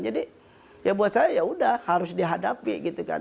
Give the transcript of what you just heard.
jadi ya buat saya yaudah harus dihadapi gitu kan